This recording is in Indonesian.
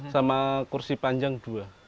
sama kursi panjang dua